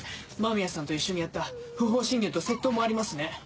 間宮さんと一緒にやった不法侵入と窃盗もありますね。